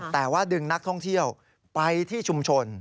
แต่ว่าดึงนักท่องเที่ยวไปที่ชุมชน